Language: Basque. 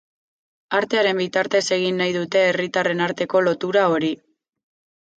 Artearen bitartez egin nahi dute herritarren arteko lotura hori.